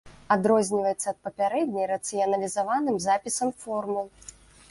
Адрозніваецца ад папярэдняй рацыяналізаваным запісам формул.